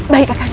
baik kak kande